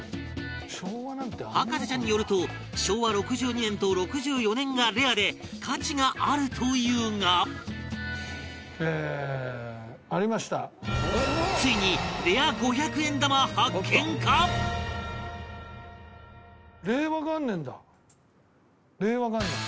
博士ちゃんによると昭和６２年と６４年がレアで価値があるというが令和元年。